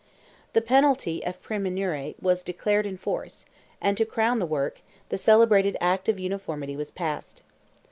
The penalty of praemunire was declared in force, and, to crown the work, the celebrated "Act of Uniformity" was passed.